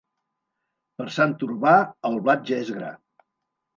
Per Sant Urbà el blat ja és gra.